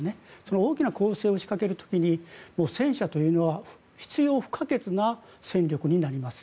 大きな攻勢を仕掛ける時に戦車というのは必要不可欠な戦力になります。